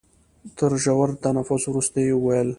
تر ژور تنفس وروسته يې وويل.